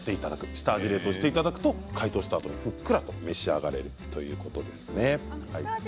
下味冷凍していただくと解凍したあと、ふっくらと召し上がれるということです。